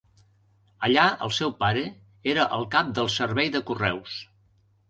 Allà el seu pare era el cap del servei de correus.